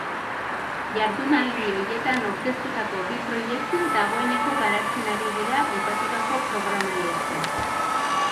Jardunaldi horietan aurkeztutako bi proiektu dagoeneko garatzen ari dira aipatutako programari esker.